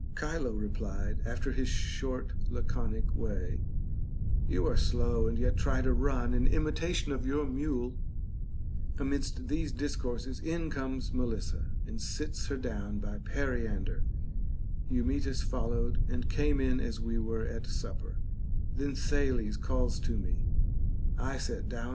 Chilo replied, after his short laconic way, You are slow an 1 yet try to run, in imitation of your mule. Amidst these discourses in comes Melissa and sits her down by Periander ; Eumetis followed and came in as we were at supper ; then Thales calls to me (I sat me down 12 THE BANQUET OF THE SEVEN WISE MEN.